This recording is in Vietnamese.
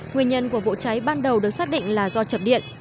nguyên nhân của vụ cháy ban đầu được xác định là do chập điện